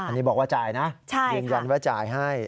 อันนี้บอกว่าจ่ายนะยืนยันว่าจ่ายให้